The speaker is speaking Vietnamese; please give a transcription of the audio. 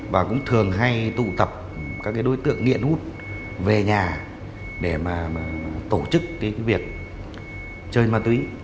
và cũng thường hay tụ tập các đối tượng nghiện hút về nhà để mà tổ chức việc chơi ma túy